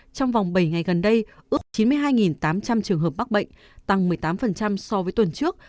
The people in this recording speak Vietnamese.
trong vòng bảy ngày gần đây ước chín mươi hai tám trăm linh trường hợp bắc bệnh tăng một mươi tám so với tuần trước